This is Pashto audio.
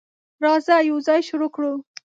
راځه، یوځای شروع کړو.